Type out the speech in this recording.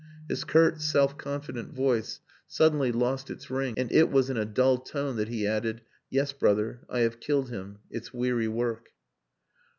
His curt, self confident voice suddenly lost its ring and it was in a dull tone that he added, "Yes, brother, I have killed him. It's weary work."